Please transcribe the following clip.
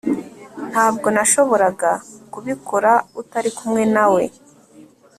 Ntabwo nashoboraga kubikora utari kumwe nawe